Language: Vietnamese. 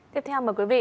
tiếp theo mời quý vị